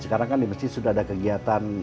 sekarang kan di masjid sudah ada kegiatan